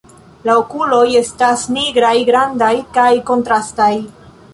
La okuloj estas nigraj, grandaj kaj kontrastaj.